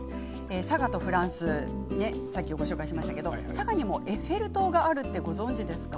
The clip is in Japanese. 佐賀とフランス先ほどご紹介しましたが佐賀にもエッフェル塔があるってご存じですか？